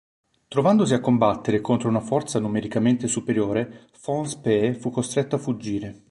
Trovandosi a combattere contro una forza numericamente superiore, Von Spee fu costretto a fuggire.